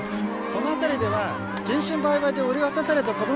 ・このあたりでは人身売買で売り渡された子供達が